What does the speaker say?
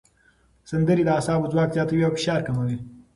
سندرې د اعصابو ځواک زیاتوي او فشار کموي.